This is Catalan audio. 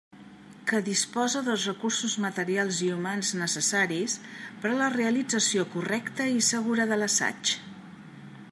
Que disposa dels recursos materials i humans necessaris per a la realització correcta i segura de l'assaig.